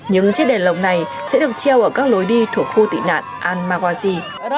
những chiếc đèn lồng này sẽ được treo ở các lối đi thuộc khu tị nạn al mawasi